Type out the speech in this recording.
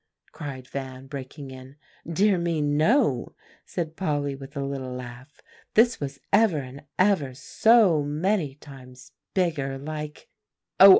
cried Van, breaking in. "Dear me, no," said Polly with a little laugh; "this was ever and ever so many times bigger, like" "Oh!